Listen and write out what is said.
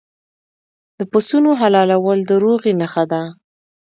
د پسونو حلالول د روغې نښه ده.